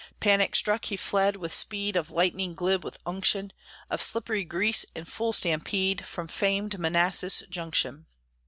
Panic struck he fled, with speed Of lightning glib with unction, Of slippery grease, in full stampede, From famed Manassas Junction.